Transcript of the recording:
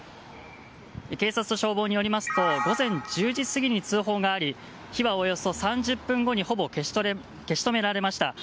警察と消防によりますと午前１０時過ぎに通報があり火はおよそ３０分後にほぼ消し止められました。